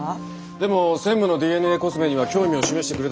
でも専務のＤＮＡコスメには興味を示してくれただろう。